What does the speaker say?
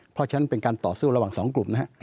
เพราะฉะนั้นเป็นการต่อสู้ระหว่างสองกลุ่มนะฮะ